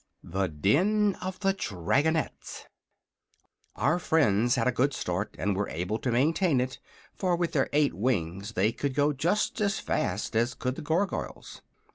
THE DEN OF THE DRAGONETTES Our friends had a good start and were able to maintain it, for with their eight wings they could go just as fast as could the Gargoyles.